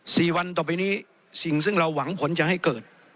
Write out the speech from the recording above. สี่วันต่อไปนี้สิ่งซึ่งเราหวังผลจะให้เกิด